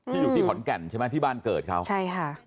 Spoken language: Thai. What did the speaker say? อยู่ที่ขอนแก่นใช่ไหมที่บ้านเกิดเขาใช่ค่ะ